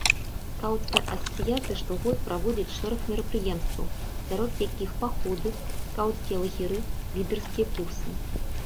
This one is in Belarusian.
Скаўцкая асацыяцыя штогод праводзіць шэраг мерапрыемстваў, сярод якіх паходы, скаўцкія лагеры, лідэрскія курсы.